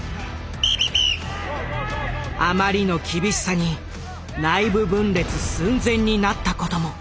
あまりの厳しさに内部分裂寸前になったことも。